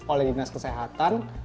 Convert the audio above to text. oleh dinas kesehatan